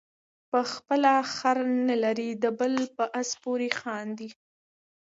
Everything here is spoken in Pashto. په خپله خر نلري د بل په آس پورې خاندي.